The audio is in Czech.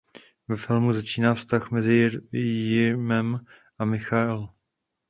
Ve filmu začíná vztah mezi Jimem a Michelle.